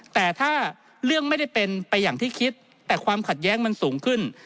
แต่ถ้าเรื่องไม่ได้เป็นไปอย่างที่คิดแต่ความขัดแย้งมันสูงขึ้น